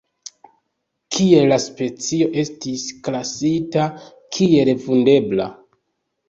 Tiele la specio estis klasita kiel vundebla.